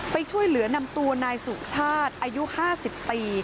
ไปช่วยเหลือนำตัวนายสุชาติอายุ๕๐ปี